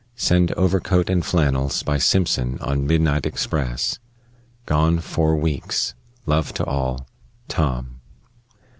Send overcoat and flannels by Simpson on midnight express. Gone four weeks. Love to all. TOM.